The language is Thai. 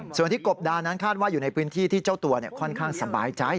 ส่วนที่กบดานั้นคาดว่าอยู่ในพื้นที่ที่เจ้าตัวค่อนข้างสบายใจ